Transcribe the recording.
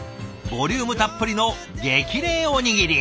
ボリュームたっぷりの激励おにぎり。